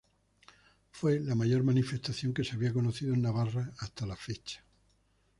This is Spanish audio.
Fue la mayor manifestación que se había conocido en Navarra hasta la fecha.